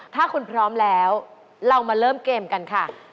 ถ้าคุณพร้อมแล้วเรามาเริ่มเกมกันค่ะ